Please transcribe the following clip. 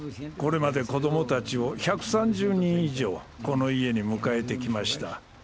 これまで子どもたちを１３０人以上この家に迎えてきました。